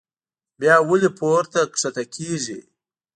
بيا ولې پورته کښته کيږي